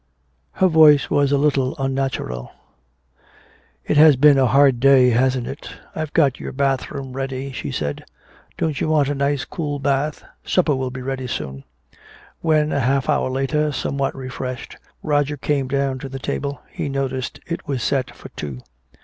Her voice was a little unnatural. "It has been a hard day, hasn't it. I've got your bath room ready," she said. "Don't you want a nice cool bath? Supper will be ready soon." When, a half hour later, somewhat refreshed, Roger came down to the table, he noticed it was set for two.